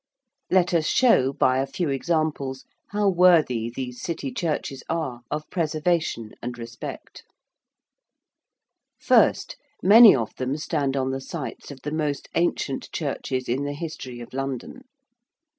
Let us show, by a few examples, how worthy these City churches are of preservation and respect. First, many of them stand on the sites of the most ancient churches in the history of London.